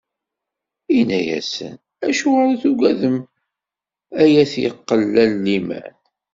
Inna-asen: Acuɣer i tugadem, ay at lqella n liman?